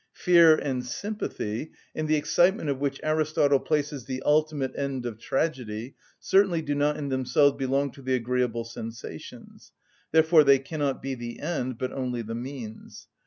Fear and sympathy, in the excitement of which Aristotle places the ultimate end of tragedy, certainly do not in themselves belong to the agreeable sensations: therefore they cannot be the end, but only the means.